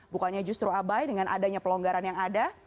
bukannya justru abai dengan adanya pelonggaran yang ada